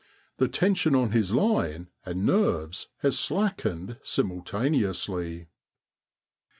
The.tension on his line and nerves has slackened simultaneously.